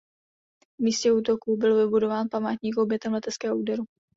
V místě útoku byl vybudován památník obětem leteckého úderu.